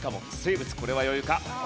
これは余裕か？